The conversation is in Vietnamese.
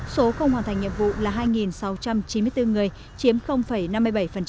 số không hoàn thành nhiệm vụ là hai sáu trăm chín mươi bốn người chiếm năm mươi bảy